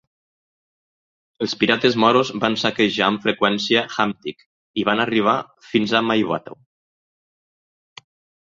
Els pirates moros van saquejar amb freqüència Hamtic i van arribar fins a Maybato.